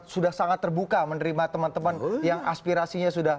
satu paket pak kami pilih